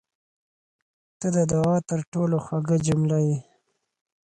• ته د دعا تر ټولو خوږه جمله یې.